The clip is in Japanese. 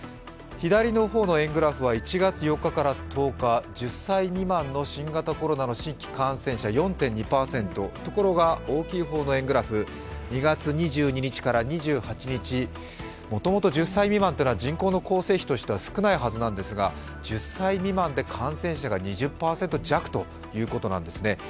左の方の円グラフは１月４日から１０日１０歳未満の新型コロナの新規感染者４．２％、ところが大きい方の円グラフ２月２２日から２８日、もともと１０歳未満というのは人口構成比は少ないはずなんですが１０歳未満で感染者が２０％弱ということなんですね。